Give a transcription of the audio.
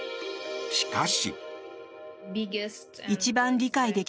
しかし。